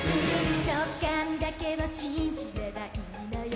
「直感だけを信じればいいのよ